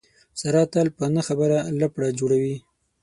ساره تل په نه خبره لپړه جوړوي.